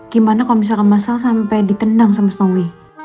gimana kalau misalkan masalah sampai ditendang sama snowy